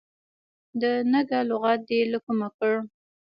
د نږه لغت دي له کومه کړ.